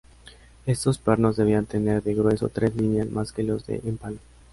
Estos pernos debían tener de grueso tres líneas más que los de empalme.